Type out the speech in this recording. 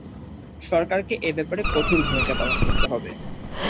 সরকারকে এ ব্যাপারে কঠোর ভূমিকা পালন করতে হবে।